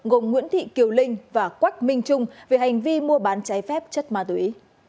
gồm nguyễn thị kiều linh và quách minh trung về hành vi mua bán trái phép chất ma túy